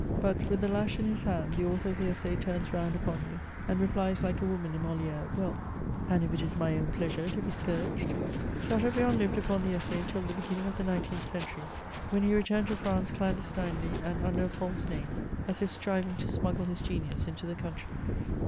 But, with the lash in his hand, the author of the Esaai turns round upon you, and replies like a woman in Moliere, " Well, and if it is my own pleasure to be scourged ?" Chateaubriand lived upon the Essai till the beginning of the nineteenth century, when he returned to France clan destinely, and under a false name, as if striving to smuggle his genius into th^ country.